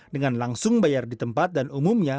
dengan langsung bayar di tempat dan umumnya